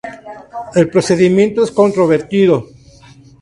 El procedimiento es controvertido.